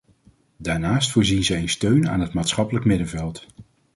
Daarnaast voorzien zij in steun aan het maatschappelijk middenveld.